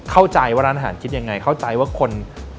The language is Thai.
เข้าใจว่าร้านอาหารคิดยังไงเข้าใจว่าคน